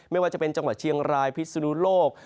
ไม่ว่าจะเป็นจังหวัดเชียงรายพิศนุโลก